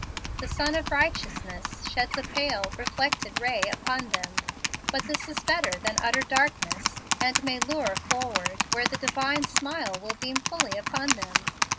The "Sun of Righteousness" sheds a pale, reflected ray upon them; but this is better than utter darkness, and may lure forward where the Divine smile will beam fully upon them.